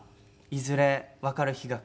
いずれわかる日が。